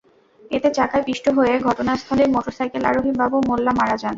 এতে চাকায় পিষ্ট হয়ে ঘটনাস্থলেই মোটরসাইকেল আরোহী বাবু মোল্যা মারা যান।